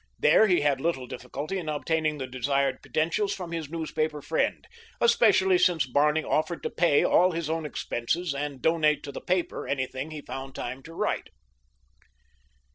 There he had little difficulty in obtaining the desired credentials from his newspaper friend, especially since Barney offered to pay all his own expenses and donate to the paper anything he found time to write.